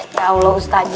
ya allah ustadz